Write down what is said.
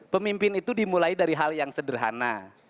pemimpin itu dimulai dari hal yang sederhana